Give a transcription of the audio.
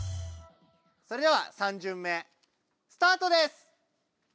それでは３じゅん目スタートです！